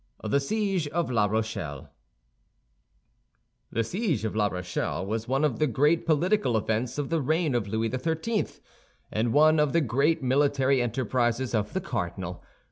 THE SIEGE OF LA ROCHELLE The Siege of La Rochelle was one of the great political events of the reign of Louis XIII., and one of the great military enterprises of the cardinal.